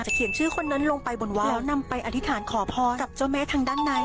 เขียนชื่อคนนั้นลงไปบนวัดแล้วนำไปอธิษฐานขอพรกับเจ้าแม่ทางด้านใน